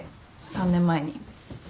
３年前に。